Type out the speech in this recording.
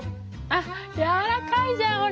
あっ柔らかいじゃんほら。